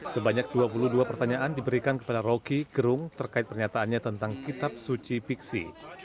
sebanyak dua puluh dua pertanyaan diberikan kepada rocky gerung terkait pernyataannya tentang kitab suci fiksi